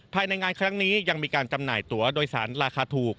ภายในงานครั้งนี้ยังมีการจำหน่ายตัวโดยสารราคาถูก